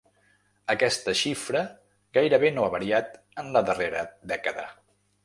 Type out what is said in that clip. Aquesta xifra gairebé no ha variat en la darrera dècada.